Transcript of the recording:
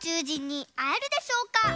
じんにあえるでしょうか？